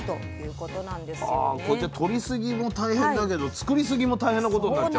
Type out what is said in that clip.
こうやって取り過ぎも大変だけど作り過ぎも大変なことになっちゃうと。